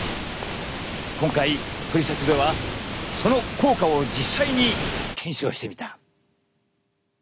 今回「トリセツ」ではその効果を実際に検証してみた。